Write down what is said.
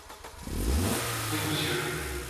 —Oui, monsieur.